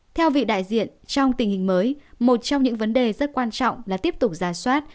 theo vị đại diện trong tình hình mới một trong những vấn đề rất quan trọng là tiếp tục giả soát